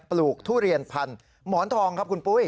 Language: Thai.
ปลูกทุเรียนพันธุ์หมอนทองครับคุณปุ้ย